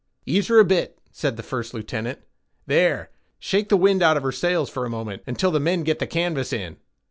"Ease her a bit," said the first lieutenant,—"there,—shake the wind out of her sails for a moment, until the men get the canvas in."